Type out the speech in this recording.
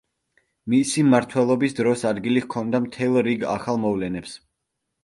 მისი მმართველობის დროს ადგილი ჰქონდა მთელ რიგ ახალ მოვლენებს.